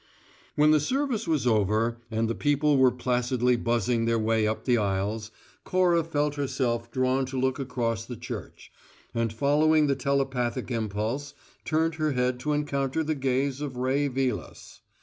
When the service was over and the people were placidly buzzing their way up the aisles, Cora felt herself drawn to look across the church, and following the telepathic impulse, turned her head to encounter the gaze of Ray Vilas.